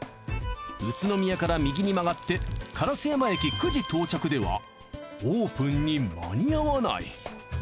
宇都宮から右に曲がって烏山駅９時到着ではオープンに間に合わない。